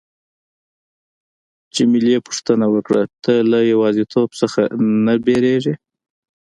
جميله پوښتنه وکړه: ته له یوازیتوب نه ډاریږې؟